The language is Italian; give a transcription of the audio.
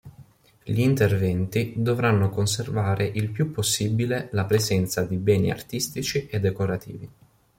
Gli interventi dovranno conservare il può possibile la presenza di beni artistici e decorativi.